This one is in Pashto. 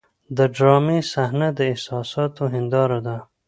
د ډرامې صحنه د احساساتو هنداره ده.